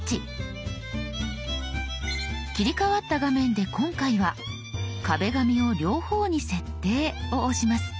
切り替わった画面で今回は「壁紙を両方に設定」を押します。